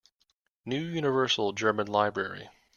New Universal German Library.